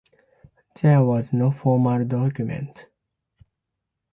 There was no formal document.